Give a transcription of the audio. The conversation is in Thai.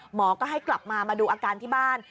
หมอก็ให้กลับมามาดูอาการที่บ้าน